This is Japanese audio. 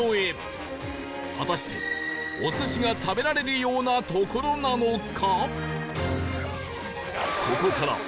果たしてお寿司が食べられるような所なのか？